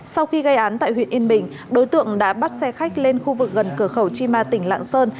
sau khi gây án tại huyện yên bình đối tượng đã bắt xe khách lên khu vực gần cửa khẩu chima tỉnh lạ sơn